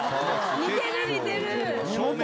似てる似てる。